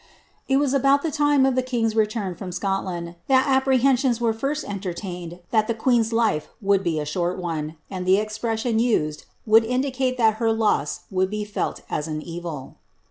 ' ft was about the time of the king's return from Scotland, that appre hensions were first entertained that the queen*B life would be a short one, and the expression used would indicate that her loss would be felt as an evil.